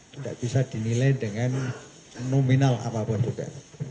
tidak bisa dinilai dengan nominal apapun juga